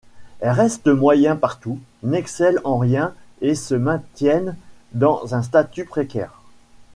Ils restent moyens partout, n'excellent en rien et se maintiennent dans un statut précaire.